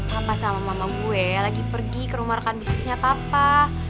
papa sama mama gue lagi pergi ke rumah rekan bisnisnya papa